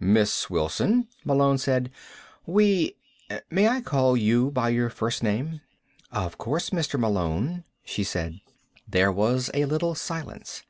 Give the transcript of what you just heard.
"Miss Wilson," Malone said, "we ... may I call you by your first name?" "Of course, Mr. Malone," she said. There was a little silence.